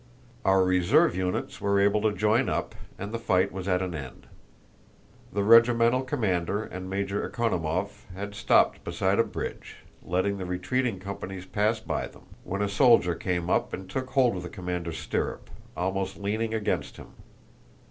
Our reserve units were able to join up, and the fight was at an end. The regimental commander and Major Ekonómov had stopped beside a bridge, letting the retreating companies pass by them, when a soldier came up and took hold of the commander's stirrup, almost leaning against him.